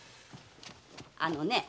あのね